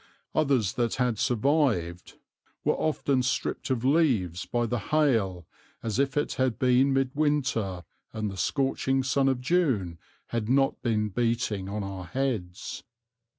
Others that had survived were often stripped of leaves by the hail as if it had been mid winter and the scorching sun of June had not been beating on our heads.